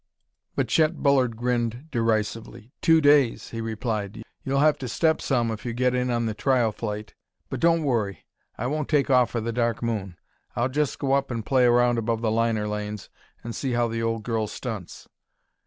But Chet Bullard grinned derisively. "Two days!" he replied. "You'll have to step some if you get in on the trial flight. But don't worry; I won't take off for the Dark Moon. I'll just go up and play around above the liner lanes and see how the old girl stunts."